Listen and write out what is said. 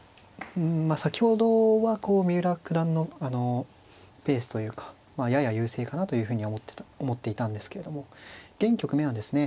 先ほどは三浦九段のペースというかやや優勢かなというふうに思っていたんですけれども現局面はですね